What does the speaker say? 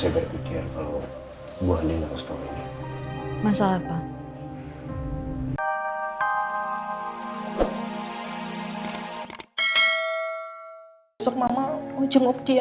besok mama mau jenguk dia ya